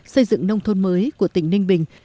xây dựng nông thôn mới của tỉnh ninh bình